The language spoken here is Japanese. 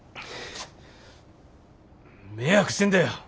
迷惑してんだよ。